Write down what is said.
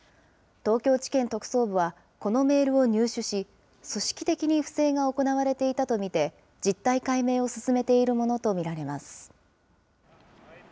東京地検特捜部はこのメールを入手し、組織的に不正が行われていたと見て、実態解明を進めているものと見られます。